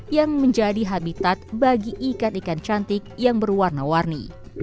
yang menjadi habitat bagi ikan ikan cantik yang berwarna warni